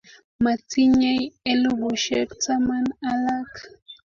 Matinyei elubushek taman alak